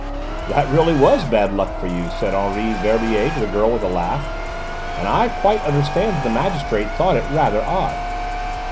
"That really was bad luck for you," said Henri Verbier to the girl with a laugh, "and I quite understand that the magistrate thought it rather odd."